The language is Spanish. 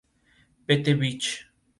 Pete Beach.